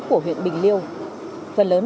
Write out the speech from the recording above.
của huyện bình liêu phần lớn